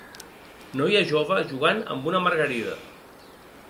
Noia jove jugant amb una margarida.